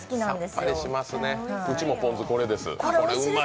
うちもぽん酢、これです。